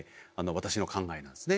私の考えなんですね。